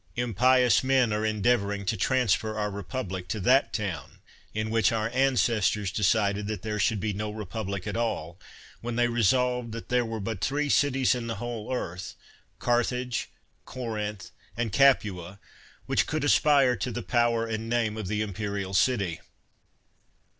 Impious men are en deavoring to transfer our republic to that town in which our ancestors decided that there should be no republic at all, when they resolved that there were but three cities in the whole earth, Carthage, Corinth, and Capua, which could aspire to the power and name of the imperial 85 THE WORLD'S FAMOUS ORATIONS city.